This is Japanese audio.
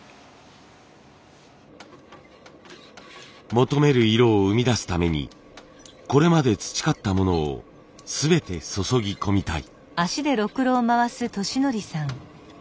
求める色を生み出すためにこれまで培ったものを全て注ぎ込みたい。